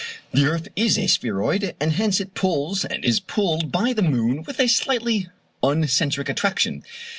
The earth is a spheroid, and hence it pulls and is pulled by the moon with a slightly uncentric attraction.